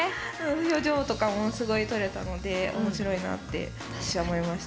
表情とかもすごい撮れたので面白いなって私は思いました。